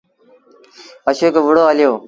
اشوڪ وُهڙو هليو۔